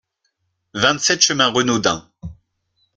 vingt-sept chemin Renaudin